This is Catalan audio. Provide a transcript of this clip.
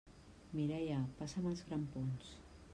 Mireia, passa'm els grampons!